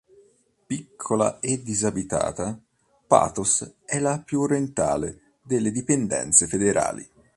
Piccola e disabitata, Patos è la più orientale delle Dipendenze federali.